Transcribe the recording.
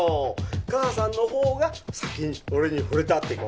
母さんのほうが先に俺に惚れたって事。